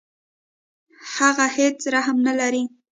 هغه هیڅ رحم نه لري.